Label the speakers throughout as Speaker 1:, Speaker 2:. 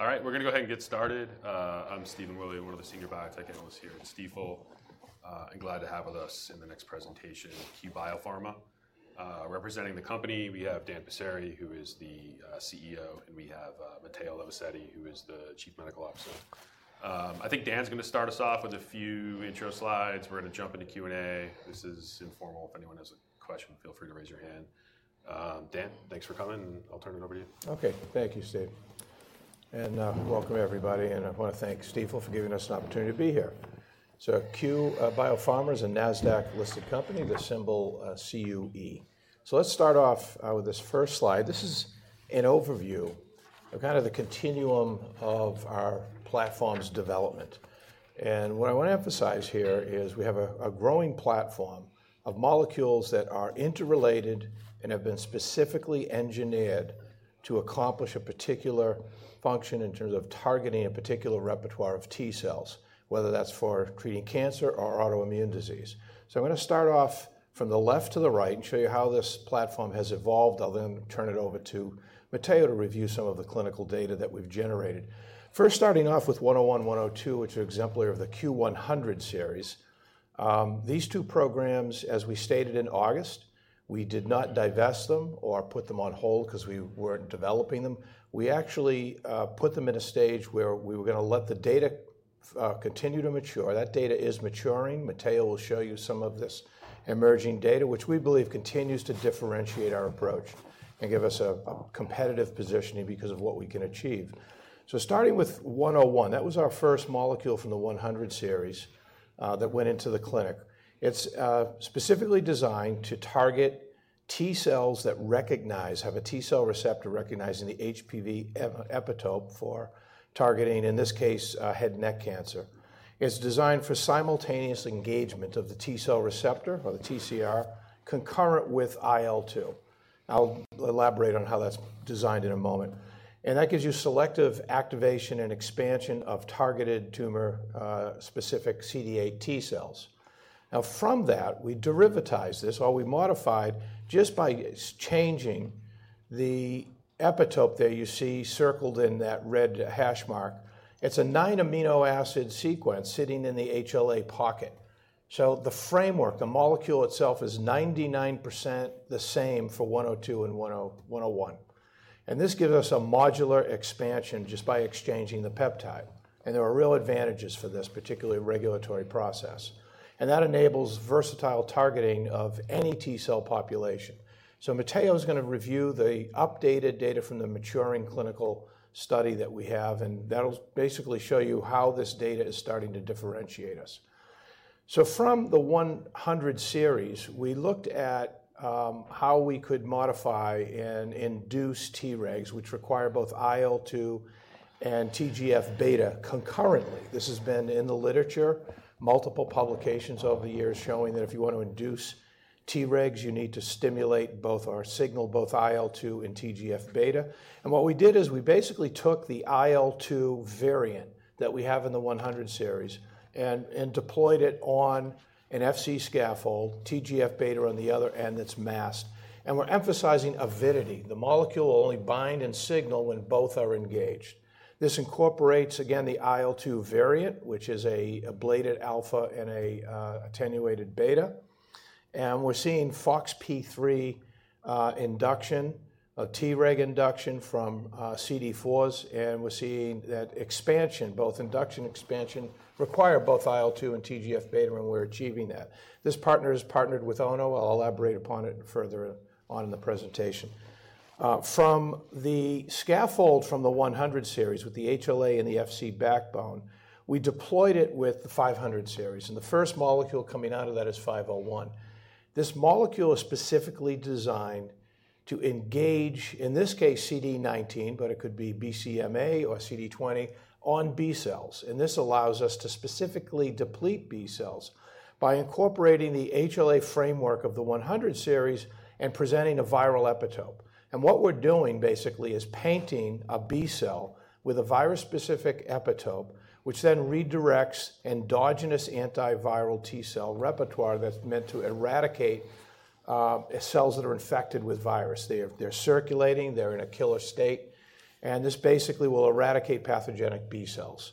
Speaker 1: All right, we're going to go ahead and get started. I'm Stephen Willey, one of the senior biotech analysts here at Stifel, and glad to have with us in the next presentation, Cue Biopharma. Representing the company, we have Dan Passeri, who is the CEO, and we have Matteo Levisetti, who is the Chief Medical Officer. I think Dan's going to start us off with a few intro slides. We're going to jump into Q&A. This is informal. If anyone has a question, feel free to raise your hand. Dan, thanks for coming, and I'll turn it over to you.
Speaker 2: Okay, thank you, Steve. And welcome, everybody. And I want to thank Stifel for giving us an opportunity to be here. So Cue Biopharma is a NASDAQ-listed company, the symbol C-U-E. So let's start off with this first slide. This is an overview of kind of the continuum of our platform's development. And what I want to emphasize here is we have a growing platform of molecules that are interrelated and have been specifically engineered to accomplish a particular function in terms of targeting a particular repertoire of T cells, whether that's for treating cancer or autoimmune disease. So I'm going to start off from the left to the right and show you how this platform has evolved. I'll then turn it over to Matteo to review some of the clinical data that we've generated. First, starting off with 101, 102, which are exemplary of the CUE-100 series. These two programs, as we stated in August, we did not divest them or put them on hold because we weren't developing them. We actually put them in a stage where we were going to let the data continue to mature. That data is maturing. Matteo will show you some of this emerging data, which we believe continues to differentiate our approach and give us a competitive positioning because of what we can achieve. Starting with 101, that was our first molecule from the 100 series that went into the clinic. It's specifically designed to target T cells that recognize, have a T cell receptor recognizing the HPV epitope for targeting, in this case, head and neck cancer. It's designed for simultaneous engagement of the T cell receptor, or the TCR, concurrent with IL-2. I'll elaborate on how that's designed in a moment. And that gives you selective activation and expansion of targeted tumor-specific CD8 T cells. Now, from that, we derivatized this or we modified just by changing the epitope there you see circled in that red hash mark. It's a nine amino acid sequence sitting in the HLA pocket. So the framework, the molecule itself, is 99% the same for 102 and 101. And this gives us a modular expansion just by exchanging the peptide. And there are real advantages for this particular regulatory process. And that enables versatile targeting of any T cell population. So Matteo is going to review the updated data from the maturing clinical study that we have, and that'll basically show you how this data is starting to differentiate us. So from the 100 series, we looked at how we could modify and induce Tregs, which require both IL-2 and TGF-beta concurrently. This has been in the literature, multiple publications over the years showing that if you want to induce Tregs, you need to stimulate both our signal, both IL-2 and TGF-beta. And what we did is we basically took the IL-2 variant that we have in the 100 series and deployed it on an Fc scaffold, TGF-beta on the other end that's masked. And we're emphasizing avidity. The molecule will only bind and signal when both are engaged. This incorporates, again, the IL-2 variant, which is an ablated alpha and an attenuated beta. And we're seeing FOXP3 induction, Treg induction from CD4s, and we're seeing that expansion, both induction and expansion, require both IL-2 and TGF-beta when we're achieving that. This partner has partnered with Ono. I'll elaborate upon it further on in the presentation. From the scaffold from the 100 series with the HLA and the Fc backbone, we deployed it with the 500 series. The first molecule coming out of that is 501. This molecule is specifically designed to engage, in this case, CD19, but it could be BCMA or CD20 on B cells. This allows us to specifically deplete B cells by incorporating the HLA framework of the 100 series and presenting a viral epitope. What we're doing basically is painting a B cell with a virus-specific epitope, which then redirects endogenous antiviral T cell repertoire that's meant to eradicate cells that are infected with virus. They're circulating, they're in a killer state, and this basically will eradicate pathogenic B cells.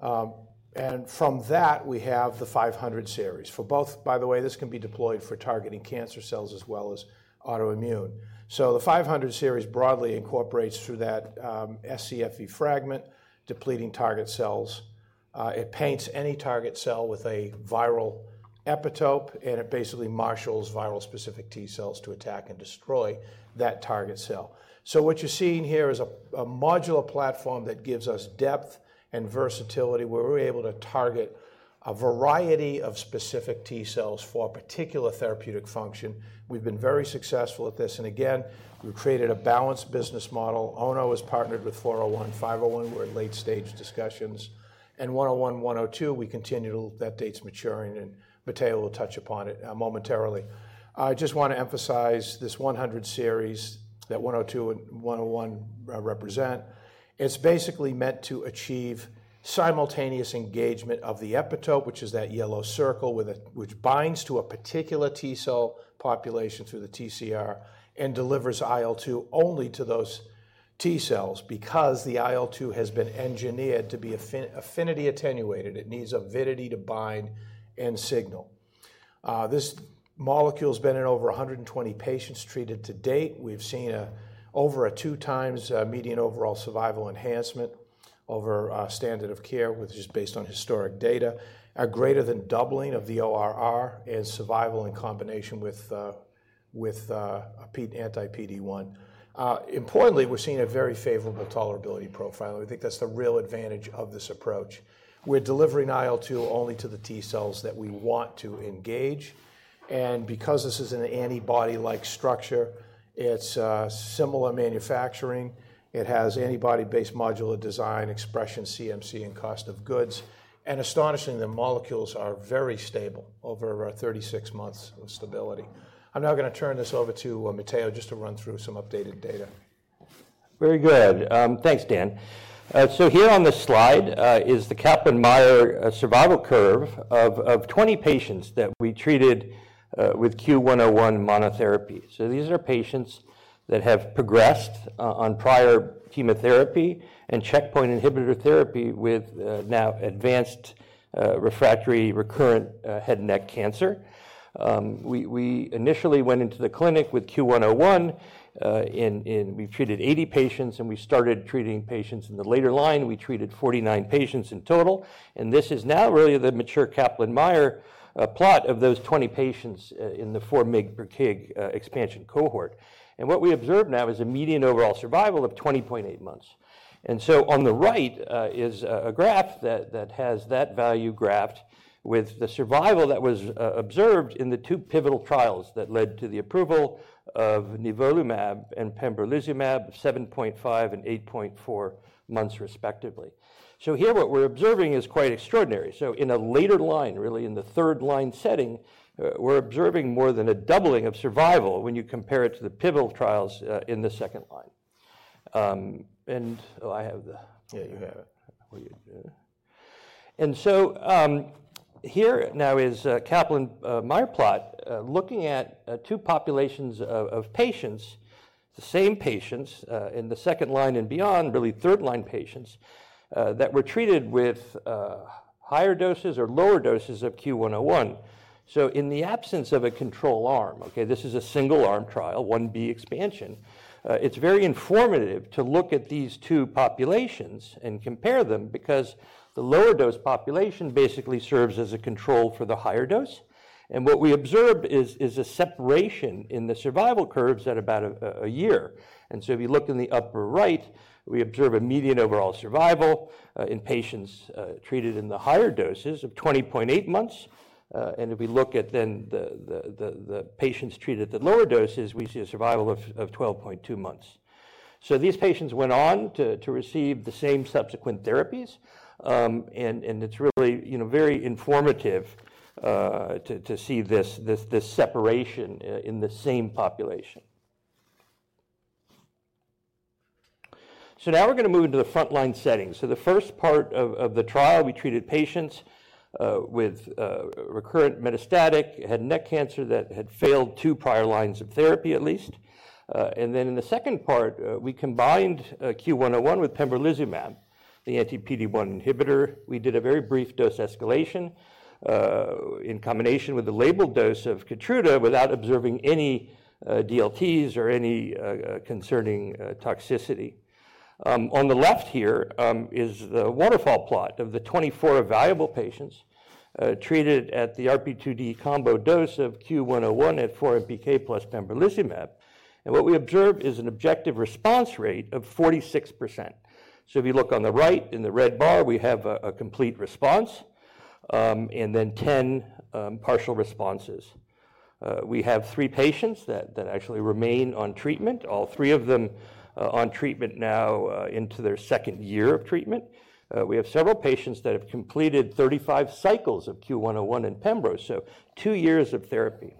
Speaker 2: From that, we have the 500 series. For both, by the way, this can be deployed for targeting cancer cells as well as autoimmune. So the 500 series broadly incorporates through that scFv fragment, depleting target cells. It paints any target cell with a viral epitope, and it basically marshals viral-specific T cells to attack and destroy that target cell. So what you're seeing here is a modular platform that gives us depth and versatility where we're able to target a variety of specific T cells for a particular therapeutic function. We've been very successful at this. And again, we've created a balanced business model. Ono has partnered with 401, 501. We're in late-stage discussions. And 101, 102, we continue to look at that data's maturing, and Matteo will touch upon it momentarily. I just want to emphasize this 100 series that 102 and 101 represent. It's basically meant to achieve simultaneous engagement of the epitope, which is that yellow circle which binds to a particular T cell population through the TCR and delivers IL-2 only to those T cells because the IL-2 has been engineered to be affinity attenuated. It needs avidity to bind and signal. This molecule has been in over 120 patients treated to date. We've seen over a two-times median overall survival enhancement over standard of care, which is based on historic data, a greater than doubling of the ORR and survival in combination with anti-PD-1. Importantly, we're seeing a very favorable tolerability profile. I think that's the real advantage of this approach. We're delivering IL-2 only to the T cells that we want to engage. And because this is an antibody-like structure, it's similar manufacturing. It has antibody-based modular design, expression, CMC, and cost of goods. Astonishingly, the molecules are very stable over 36 months of stability. I'm now going to turn this over to Matteo just to run through some updated data.
Speaker 3: Very good. Thanks, Dan. So here on this slide is the Kaplan-Meier survival curve of 20 patients that we treated with CUE-101 monotherapy. So these are patients that have progressed on prior chemotherapy and checkpoint inhibitor therapy with now advanced refractory recurrent head and neck cancer. We initially went into the clinic with CUE-101. We treated 80 patients, and we started treating patients in the later line. We treated 49 patients in total. And this is now really the mature Kaplan-Meier plot of those 20 patients in the 4-mg/kg expansion cohort. And what we observe now is a median overall survival of 20.8 months. And so on the right is a graph that has that value graphed with the survival that was observed in the two pivotal trials that led to the approval of nivolumab and pembrolizumab of 7.5 and 8.4 months respectively. So here what we're observing is quite extraordinary. So in a later line, really in the third line setting, we're observing more than a doubling of survival when you compare it to the pivotal trials in the second line. And I have the.
Speaker 2: Yeah, you have it.
Speaker 3: And so here now is a Kaplan-Meier plot looking at two populations of patients, the same patients in the second line and beyond, really third line patients that were treated with higher doses or lower doses of CUE-101. So in the absence of a control arm, okay, this is a single arm trial, 1b expansion. It's very informative to look at these two populations and compare them because the lower dose population basically serves as a control for the higher dose. And what we observed is a separation in the survival curves at about a year. And so if you look in the upper right, we observe a median overall survival in patients treated in the higher doses of 20.8 months. And if we look at then the patients treated at the lower doses, we see a survival of 12.2 months. These patients went on to receive the same subsequent therapies. It's really very informative to see this separation in the same population. Now we're going to move into the frontline setting. The first part of the trial, we treated patients with recurrent metastatic head and neck cancer that had failed two prior lines of therapy at least. Then in the second part, we combined CUE-101 with pembrolizumab, the anti-PD-1 inhibitor. We did a very brief dose escalation in combination with the labeled dose of Keytruda without observing any DLTs or any concerning toxicity. On the left here is the waterfall plot of the 24 available patients treated at the RP2D combo dose of CUE-101 at 4 mg/kg plus pembrolizumab. What we observe is an objective response rate of 46%. So if you look on the right in the red bar, we have a complete response and then 10 partial responses. We have three patients that actually remain on treatment, all three of them on treatment now into their second year of treatment. We have several patients that have completed 35 cycles of CUE-101 and pembrolizumab, so two years of therapy.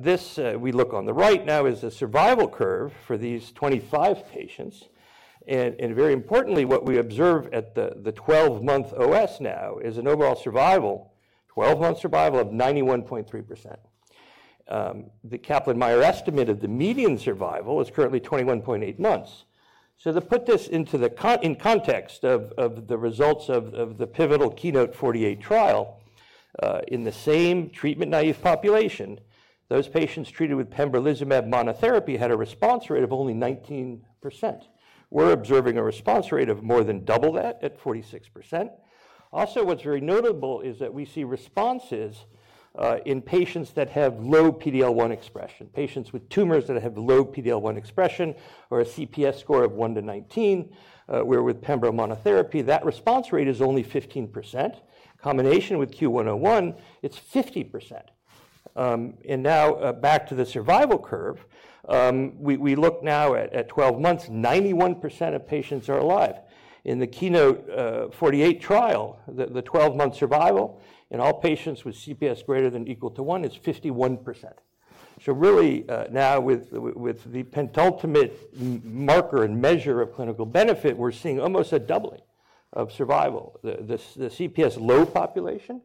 Speaker 3: This, we look on the right now, is a survival curve for these 25 patients. And very importantly, what we observe at the 12-month OS now is an overall survival, 12-month survival of 91.3%. The Kaplan-Meier estimated the median survival is currently 21.8 months. So to put this in context of the results of the pivotal KEYNOTE-048 trial, in the same treatment naive population, those patients treated with pembrolizumab monotherapy had a response rate of only 19%. We're observing a response rate of more than double that at 46%. Also, what's very notable is that we see responses in patients that have low PD-L1 expression, patients with tumors that have low PD-L1 expression or a CPS score of one to 19, where with pembro monotherapy, that response rate is only 15%. In combination with CUE-101, it's 50%. Now back to the survival curve, we look now at 12 months, 91% of patients are alive. In the KEYNOTE-048 trial, the 12-month survival in all patients with CPS greater than equal to one is 51%. So really now with the penultimate marker and measure of clinical benefit, we're seeing almost a doubling of survival. The CPS low population,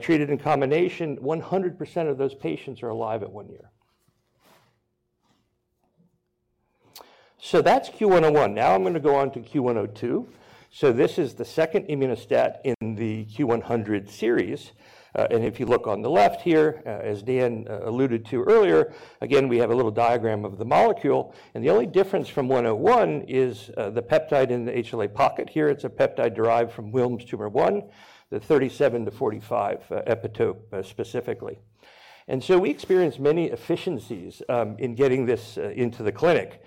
Speaker 3: treated in combination, 100% of those patients are alive at one year. So that's CUE-101. Now I'm going to go on to CUE-102. This is the second Immuno-STAT in the CUE-100 series. If you look on the left here, as Dan alluded to earlier, again, we have a little diagram of the molecule. The only difference from 101 is the peptide in the HLA pocket here. It's a peptide derived from Wilms tumor 1, the 37-45 epitope specifically. We experienced many efficiencies in getting this into the clinic.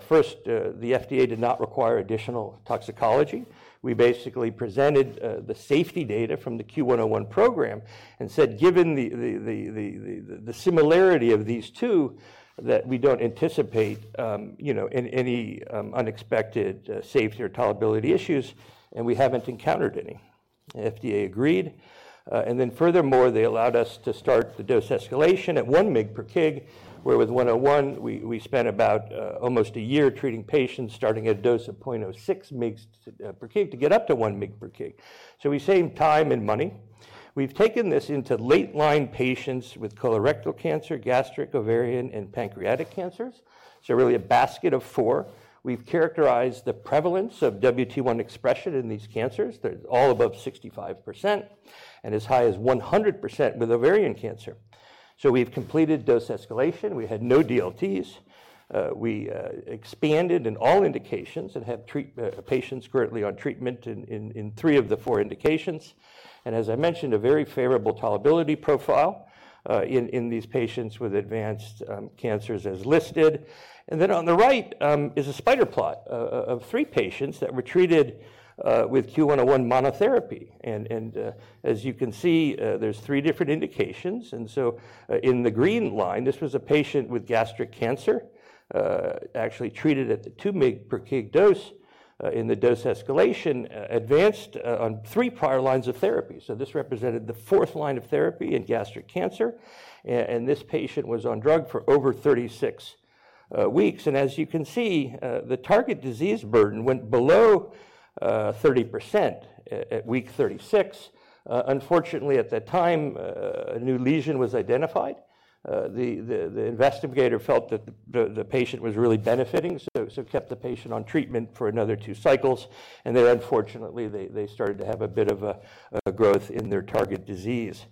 Speaker 3: First, the FDA did not require additional toxicology. We basically presented the safety data from the CUE-101 program and said, given the similarity of these two, that we don't anticipate any unexpected safety or tolerability issues, and we haven't encountered any. The FDA agreed. And then furthermore, they allowed us to start the dose escalation at 1 mg per kg, where with 101, we spent about almost a year treating patients starting at a dose of 0.06 mgs per kg to get up to 1 mg per kg, so we saved time and money. We've taken this into late line patients with colorectal cancer, gastric, ovarian, and pancreatic cancers, so really a basket of four. We've characterized the prevalence of WT1 expression in these cancers. They're all above 65% and as high as 100% with ovarian cancer, so we've completed dose escalation. We had no DLTs. We expanded in all indications and have patients currently on treatment in three of the four indications, and as I mentioned, a very favorable tolerability profile in these patients with advanced cancers as listed. Then on the right is a spider plot of three patients that were treated with CUE-101 monotherapy. As you can see, there's three different indications. So in the green line, this was a patient with gastric cancer, actually treated at the 2 mg per kg dose in the dose escalation, advanced on three prior lines of therapy. So this represented the fourth line of therapy in gastric cancer. This patient was on drug for over 36 weeks. As you can see, the target disease burden went below 30% at week 36. Unfortunately, at that time, a new lesion was identified. The investigator felt that the patient was really benefiting, so kept the patient on treatment for another two cycles. Then unfortunately, they started to have a bit of a growth in their target disease.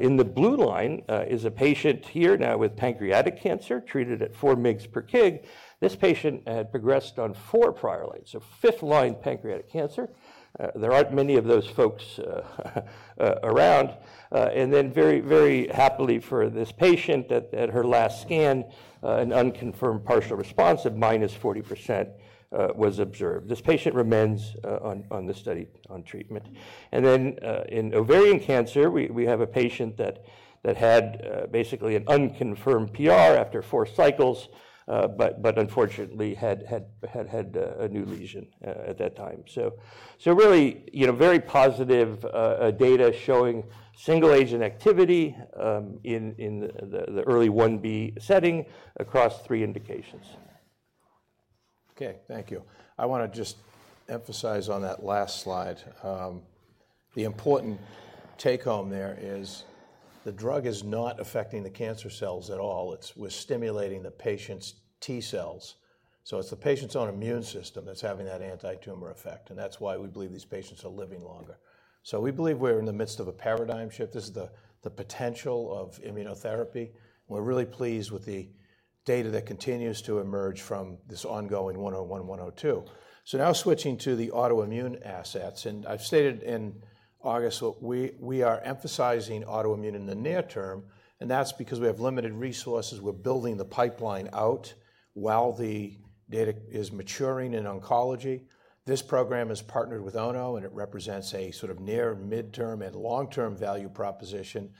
Speaker 3: In the blue line is a patient here now with pancreatic cancer, treated at 4 mgs per kg. This patient had progressed on four prior lines, so fifth line pancreatic cancer. There aren't many of those folks around, and then very, very happily for this patient at her last scan, an unconfirmed partial response of -40% was observed. This patient remains on the study on treatment, and then in ovarian cancer, we have a patient that had basically an unconfirmed PR after four cycles, but unfortunately had a new lesion at that time. So, really very positive data showing single agent activity in the early 1b setting across three indications.
Speaker 2: Okay, thank you. I want to just emphasize on that last slide. The important take home there is the drug is not affecting the cancer cells at all. It's stimulating the patient's T cells, so it's the patient's own immune system that's having that anti-tumor effect, and that's why we believe these patients are living longer, so we believe we're in the midst of a paradigm shift. This is the potential of immunotherapy. We're really pleased with the data that continues to emerge from this ongoing 101, 102, so now switching to the autoimmune assets, and I've stated in August, we are emphasizing autoimmune in the near term, and that's because we have limited resources. We're building the pipeline out while the data is maturing in oncology. This program is partnered with Ono, and it represents a sort of near midterm and long-term value proposition.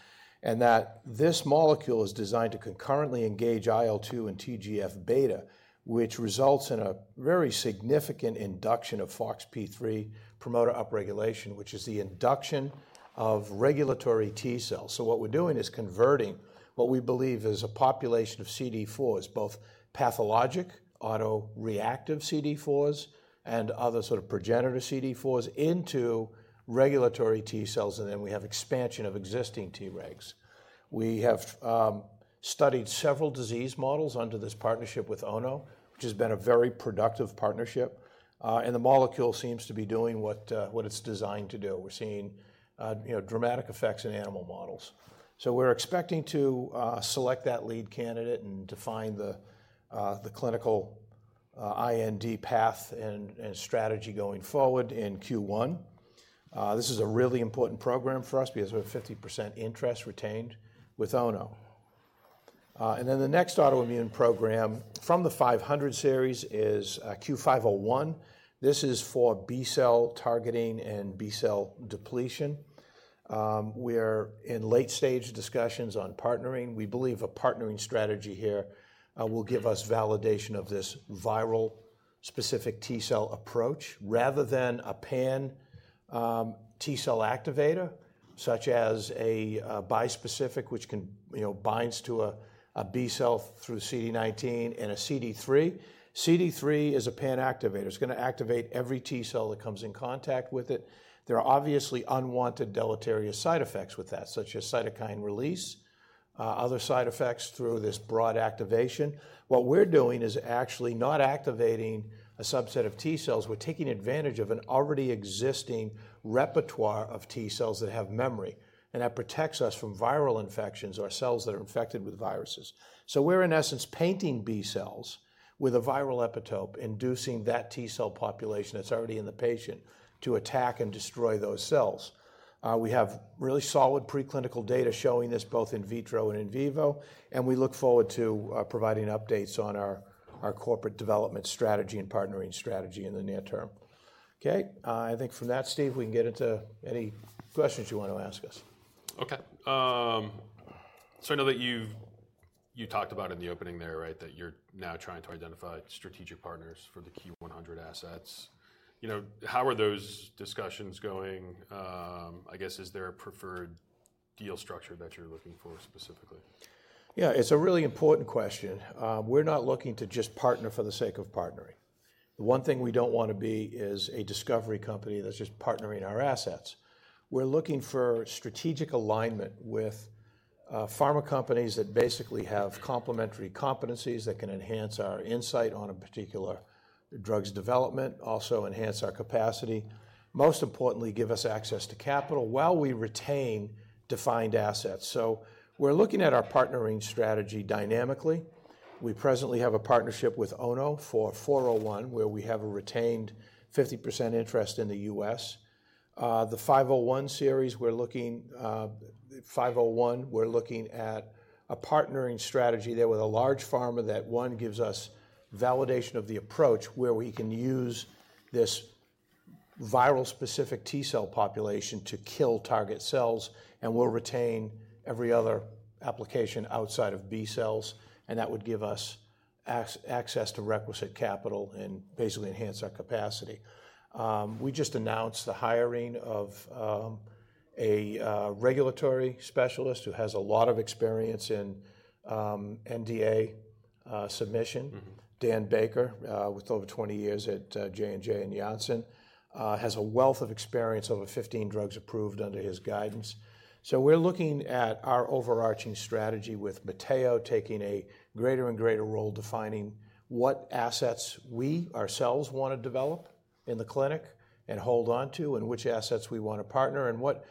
Speaker 2: And that this molecule is designed to concurrently engage IL-2 and TGF-beta, which results in a very significant induction of FOXP3 promoter upregulation, which is the induction of regulatory T cells. So what we're doing is converting what we believe is a population of CD4s, both pathologic autoreactive CD4s and other sort of progenitor CD4s into regulatory T cells. And then we have expansion of existing T regs. We have studied several disease models under this partnership with Ono, which has been a very productive partnership. And the molecule seems to be doing what it's designed to do. We're seeing dramatic effects in animal models. So we're expecting to select that lead candidate and define the clinical IND path and strategy going forward in Q1. This is a really important program for us because we have 50% interest retained with Ono. And then the next autoimmune program from the 500 series is CUE-501. This is for B cell targeting and B cell depletion. We're in late stage discussions on partnering. We believe a partnering strategy here will give us validation of this viral specific T cell approach rather than a pan T cell activator such as a bispecific, which binds to a B cell through CD19 and a CD3. CD3 is a pan activator. It's going to activate every T cell that comes in contact with it. There are obviously unwanted deleterious side effects with that, such as cytokine release, other side effects through this broad activation. What we're doing is actually not activating a subset of T cells. We're taking advantage of an already existing repertoire of T cells that have memory. And that protects us from viral infections, our cells that are infected with viruses. So we're in essence painting B cells with a viral epitope inducing that T cell population that's already in the patient to attack and destroy those cells. We have really solid preclinical data showing this both in vitro and in vivo. And we look forward to providing updates on our corporate development strategy and partnering strategy in the near term. Okay, I think from that, Steve, we can get into any questions you want to ask us.
Speaker 1: Okay, so I know that you talked about in the opening there, right, that you're now trying to identify strategic partners for the CUE-100 assets. How are those discussions going? I guess is there a preferred deal structure that you're looking for specifically?
Speaker 2: Yeah, it's a really important question. We're not looking to just partner for the sake of partnering. The one thing we don't want to be is a discovery company that's just partnering our assets. We're looking for strategic alignment with pharma companies that basically have complementary competencies that can enhance our insight on a particular drug's development, also enhance our capacity, most importantly, give us access to capital while we retain defined assets. So we're looking at our partnering strategy dynamically. We presently have a partnership with Ono for 401, where we have a retained 50% interest in the U.S. The 501 series, we're looking at a partnering strategy there with a large pharma that one gives us validation of the approach where we can use this viral specific T cell population to kill target cells, and we'll retain every other application outside of B cells. And that would give us access to requisite capital and basically enhance our capacity. We just announced the hiring of a regulatory specialist who has a lot of experience in NDA submission, Dan Baker, with over 20 years at J&J and Janssen, has a wealth of experience over 15 drugs approved under his guidance. So we're looking at our overarching strategy with Matteo taking a greater and greater role defining what assets we ourselves want to develop in the clinic and hold on to and which assets we want to partner and what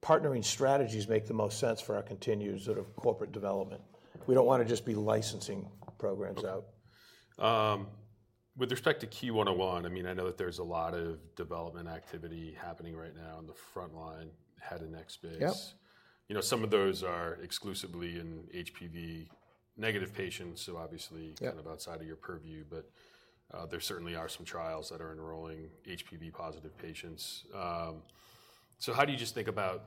Speaker 2: partnering strategies make the most sense for our continued sort of corporate development. We don't want to just be licensing programs out.
Speaker 1: With respect to CUE-101, I mean, I know that there's a lot of development activity happening right now in the front line, head and neck space. Some of those are exclusively in HPV negative patients, so obviously kind of outside of your purview, but there certainly are some trials that are enrolling HPV positive patients. So how do you just think about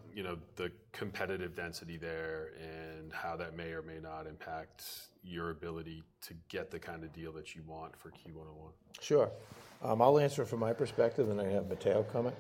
Speaker 1: the competitive density there and how that may or may not impact your ability to get the kind of deal that you want for CUE-101?
Speaker 2: Sure. I'll answer from my perspective, and I have Matteo comment.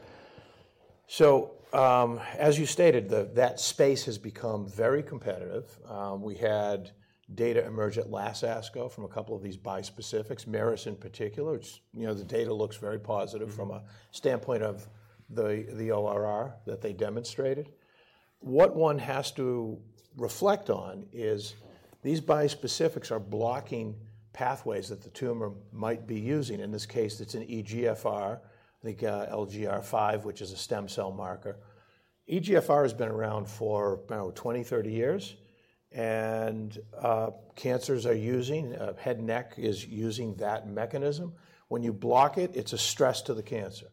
Speaker 2: So as you stated, that space has become very competitive. We had data emerge at last ASCO from a couple of these bispecifics, Merus in particular, which the data looks very positive from a standpoint of the ORR that they demonstrated. What one has to reflect on is these bispecifics are blocking pathways that the tumor might be using. In this case, it's an EGFR, the LGR5, which is a stem cell marker. EGFR has been around for 20, 30 years, and cancers are using, head and neck is using that mechanism. When you block it, it's a stress to the cancer.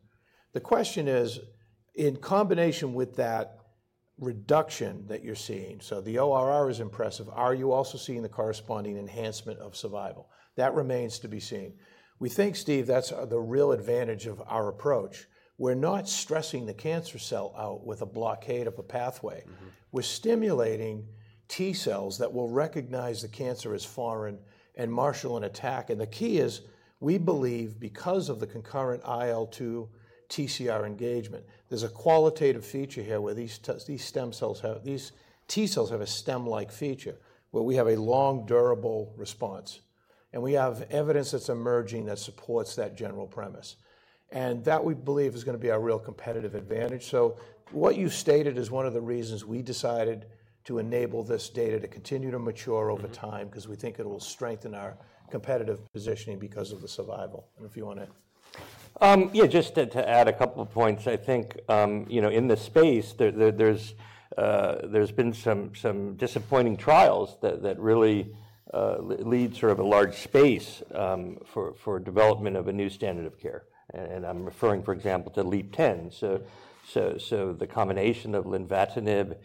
Speaker 2: The question is, in combination with that reduction that you're seeing, so the ORR is impressive, are you also seeing the corresponding enhancement of survival? That remains to be seen. We think, Steve, that's the real advantage of our approach. We're not stressing the cancer cell out with a blockade of a pathway. We're stimulating T cells that will recognize the cancer as foreign and marshal an attack. And the key is we believe because of the concurrent IL-2 TCR engagement, there's a qualitative feature here where these stem cells have, these T cells have a stem-like feature where we have a long, durable response. And we have evidence that's emerging that supports that general premise. And that we believe is going to be our real competitive advantage. So what you stated is one of the reasons we decided to enable this data to continue to mature over time because we think it will strengthen our competitive positioning because of the survival. And if you want to.
Speaker 3: Yeah, just to add a couple of points. I think in this space, there's been some disappointing trials that really leave sort of a large space for development of a new standard of care, and I'm referring, for example, to LEAP-010. So the combination of lenvatinib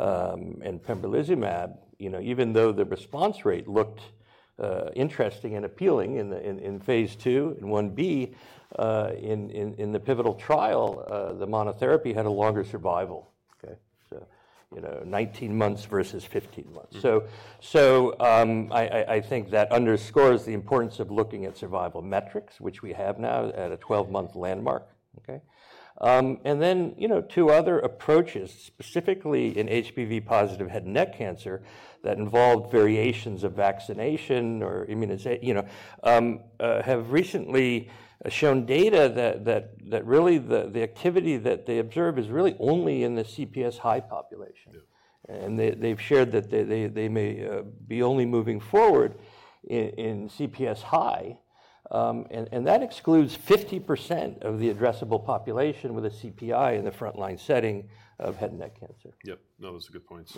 Speaker 3: and pembrolizumab, even though the response rate looked interesting and appealing in phase 2 and 1b, in the pivotal trial, the monotherapy had a longer survival, okay. So 19 months versus 15 months. I think that underscores the importance of looking at survival metrics, which we have now at a 12-month landmark, and then two other approaches, specifically in HPV positive head and neck cancer, that involve variations of vaccination or immunization, have recently shown data that really the activity that they observe is really only in the CPS high population. They've shared that they may be only moving forward in CPS high. That excludes 50% of the addressable population with a CPI in the front line setting of head and neck cancer.
Speaker 1: Yep, no, those are good points.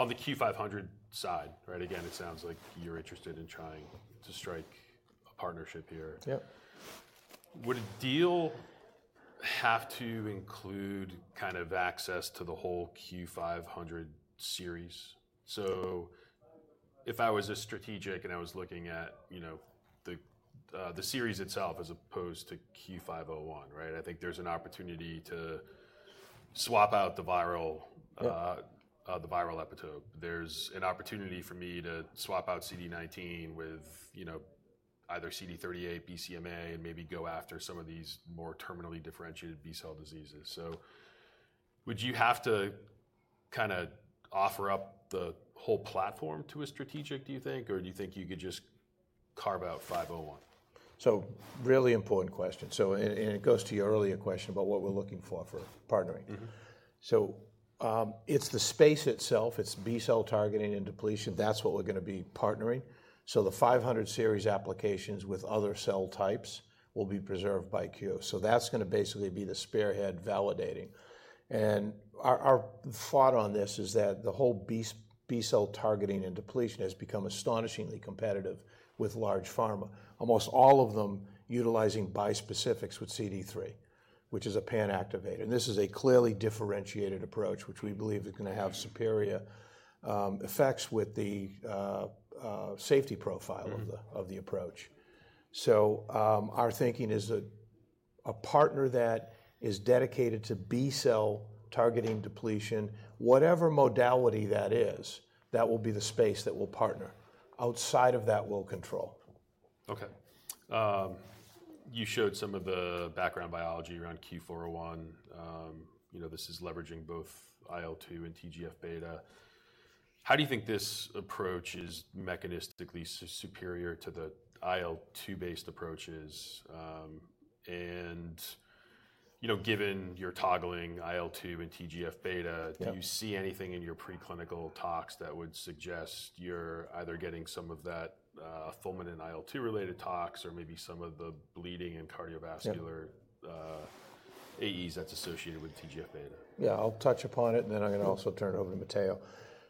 Speaker 1: On the CUE-500 side, right? Again, it sounds like you're interested in trying to strike a partnership here.
Speaker 2: Yep.
Speaker 1: Would a deal have to include kind of access to the whole CUE-500 series? So if I was a strategic and I was looking at the series itself as opposed to CUE-501, right? I think there's an opportunity to swap out the viral epitope. There's an opportunity for me to swap out CD19 with either CD38, BCMA, and maybe go after some of these more terminally differentiated B-cell diseases. So would you have to kind of offer up the whole platform to a strategic, do you think? Or do you think you could just carve out CUE-501?
Speaker 2: Really important question. It goes to your earlier question about what we're looking for partnering. It's the space itself. It's B-cell targeting and depletion. That's what we're going to be partnering. The 500 series applications with other cell types will be preserved by Cue. That's going to basically be the spearhead validating. Our thought on this is that the whole B-cell targeting and depletion has become astonishingly competitive with large pharma, almost all of them utilizing bispecifics with CD3, which is a pan activator. This is a clearly differentiated approach, which we believe is going to have superior effects with the safety profile of the approach. Our thinking is a partner that is dedicated to B-cell targeting depletion, whatever modality that is, that will be the space that will partner. Outside of that, we'll control.
Speaker 1: Okay. You showed some of the background biology around CUE-401. This is leveraging both IL-2 and TGF-beta. How do you think this approach is mechanistically superior to the IL-2 based approaches? And given you're toggling IL-2 and TGF-beta, do you see anything in your preclinical talks that would suggest you're either getting some of that fulminant IL-2 related tox or maybe some of the bleeding and cardiovascular AEs that's associated with TGF-beta?
Speaker 2: Yeah, I'll touch upon it, and then I'm going to also turn it over to Matteo.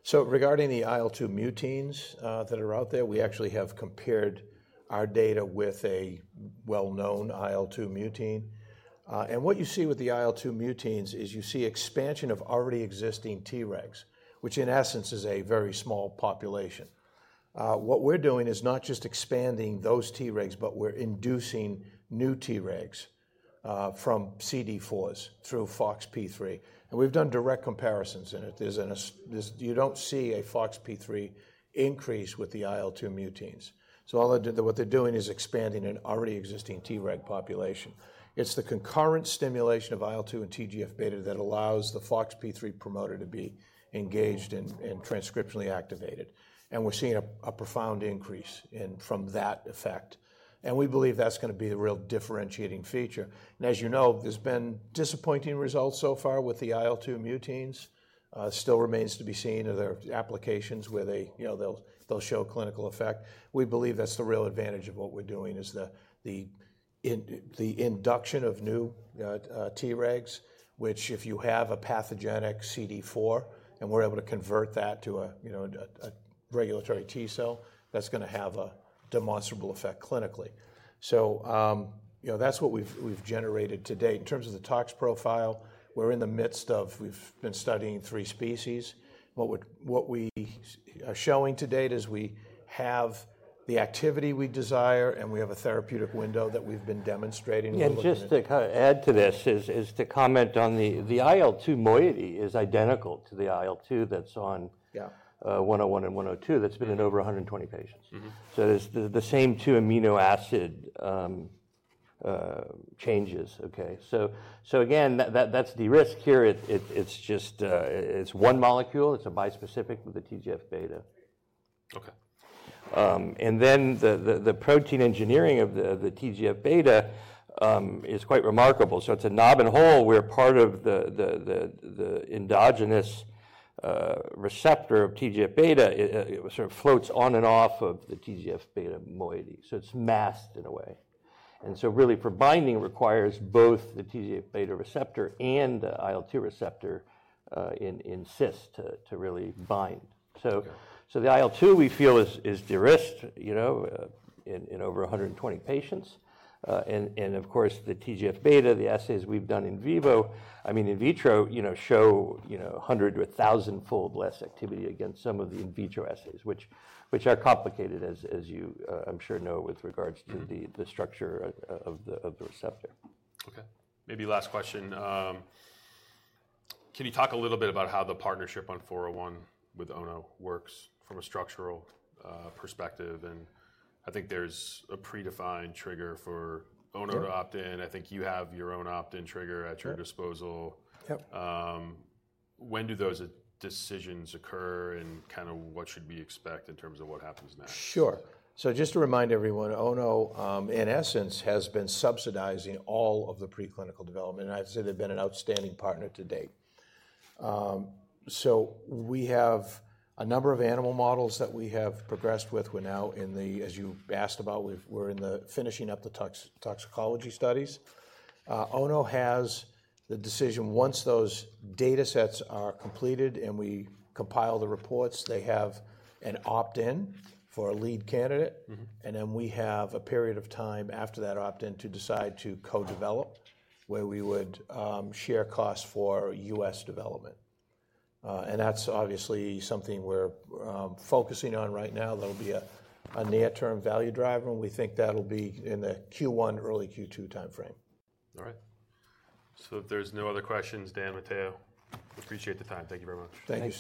Speaker 2: So regarding the IL-2 muteins that are out there, we actually have compared our data with a well-known IL-2 mutein. And what you see with the IL-2 muteins is you see expansion of already existing T regs, which in essence is a very small population. What we're doing is not just expanding those T regs, but we're inducing new T regs from CD4s through FOXP3. And we've done direct comparisons in vitro. You don't see a FOXP3 increase with the IL-2 muteins. So what they're doing is expanding an already existing T reg population. It's the concurrent stimulation of IL-2 and TGF-beta that allows the FOXP3 promoter to be engaged and transcriptionally activated. And we're seeing a profound increase from that effect. And we believe that's going to be the real differentiating feature. And as you know, there's been disappointing results so far with the IL-2 muteins. It still remains to be seen if there are applications where they'll show clinical effect. We believe that's the real advantage of what we're doing is the induction of new Tregs, which if you have a pathogenic CD4 and we're able to convert that to a regulatory T cell, that's going to have a demonstrable effect clinically. So that's what we've generated to date. In terms of the tox profile, we're in the midst of studying three species. What we are showing to date is we have the activity we desire, and we have a therapeutic window that we've been demonstrating.
Speaker 3: Yeah, just to kind of add to this is to comment on the IL-2 moiety is identical to the IL-2 that's on 101 and 102 that's been in over 120 patients. So it's the same two amino acid changes, okay? So again, that's the risk here. It's just one molecule. It's a bispecific with the TGF-beta.
Speaker 1: Okay.
Speaker 2: The protein engineering of the TGF-beta is quite remarkable. It's a knob and hole. We're part of the endogenous receptor of TGF-beta sort of floats on and off of the TGF-beta moiety. It's masked in a way. Really for binding requires both the TGF-beta receptor and the IL-2 receptor in cis to really bind. The IL-2 we feel is dosed in over 120 patients. Of course, the TGF-beta, the assays we've done in vivo, I mean, in vitro show 100-1,000-fold less activity against some of the in vitro assays, which are complicated, as you, I'm sure, know with regards to the structure of the receptor.
Speaker 1: Okay. Maybe last question. Can you talk a little bit about how the partnership on 401 with Ono works from a structural perspective? And I think there's a predefined trigger for Ono to opt in. I think you have your own opt-in trigger at your disposal. When do those decisions occur and kind of what should we expect in terms of what happens next?
Speaker 2: Sure, so just to remind everyone, Ono in essence has been subsidizing all of the preclinical development, and I'd say they've been an outstanding partner to date, so we have a number of animal models that we have progressed with. We're now, as you asked about, finishing up the toxicology studies. Ono has the decision once those data sets are completed and we compile the reports. They have an opt-in for a lead candidate, then we have a period of time after that opt-in to decide to co-develop where we would share costs for U.S. development, and that's obviously something we're focusing on right now. There'll be a near-term value drive, and we think that'll be in the Q1, early Q2 timeframe.
Speaker 1: All right. So if there's no other questions, Dan, Matteo, appreciate the time. Thank you very much.
Speaker 2: Thanks.
Speaker 3: Thanks.